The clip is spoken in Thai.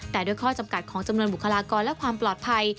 แต่ด้วยข้อจำกัดของจำนวนบุคลากรและความปลอดภัย